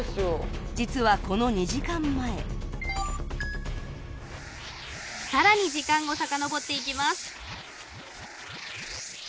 実はこの２時間前さらに時間をさかのぼっていきます